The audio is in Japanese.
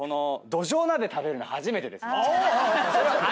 どじょう鍋食べるの初めてです。